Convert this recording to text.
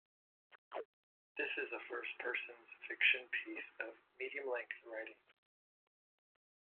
This is a first-person fiction piece of medium-length writing.